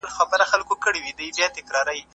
د نفوسو کنټرول تر عاید زیاتولو اسانه نه دی.